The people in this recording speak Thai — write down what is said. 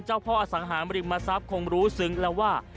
เจ้าพ่ออสังหามริมทรัพย์คงรู้ซึ้งแล้วว่า